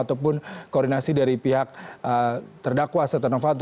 ataupun koordinasi dari pihak terdakwa setoran fanto